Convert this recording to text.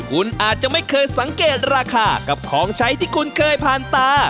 คุณอาจจะไม่เคยสังเกตราคากับของใช้ที่คุณเคยผ่านตา